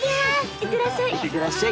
いってらっしゃい。